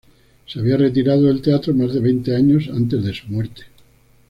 Se había retirado del teatro más de veinte años antes de su muerte.